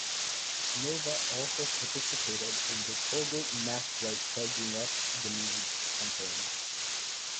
Nova also participated in the Colgate MaxWhite Charging Up The Music campaign.